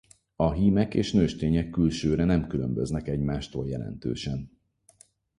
A hímek és nőstények külsőre nem különböznek egymástól jelentősen.